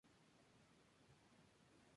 Es un pueblo rico en historia.